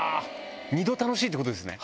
２度楽しいってことですね？